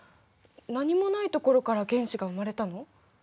何もないところから原子が生まれたの？